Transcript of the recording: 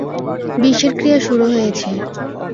বিষের ক্রিয়া শুরু হয়েছে।